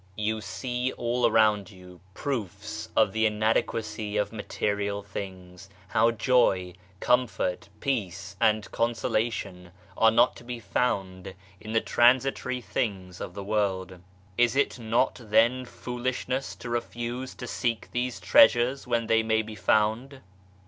102 PAIN AND SORROW You see all around you proofs of the inadequacy of material things how joy, comfort, peace and consolation are not to be found in the transitory things of the world. Is it not then foolishness to refuse to seek these treasures where they may be found